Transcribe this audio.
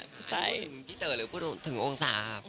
ถึงพี่เต๋อหรือพูดถึงองศาครับ